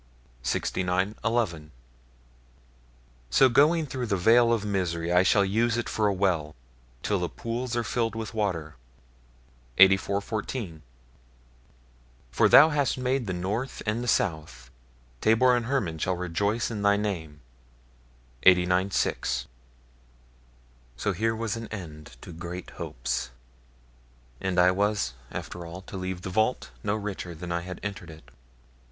69, 11 So, going through the vale of misery, I shall Use it for a well, till the pools are filled With water. 84, 14 For thou hast made the North and the South: Tabor and Hermon shall rejoice in thy name. 89, 6 So here was an end to great hopes, and I was after all to leave the vault no richer than I had entered it.